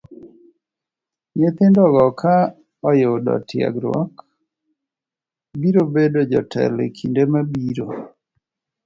Nyithindo go ka oyudo tiegruok, biro bedo jotelo e kinde mabiro.